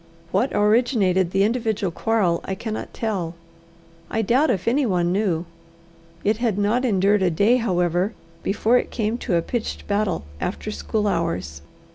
What originated the individual quarrel I cannot tell. I doubt if anyone knew. It had not endured a day, however, before it came to a pitched battle after school hours.